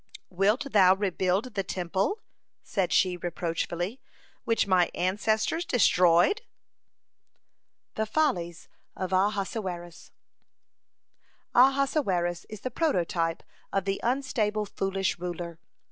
"Wilt thou rebuild the Temple," said she, reproachfully, "which my ancestors destroyed?" (48) THE FOLLIES OF AHASUERUS Ahasuerus is the prototype of the unstable, foolish ruler.